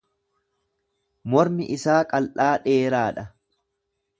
Mormi isaa qal'aa dheeraa dha.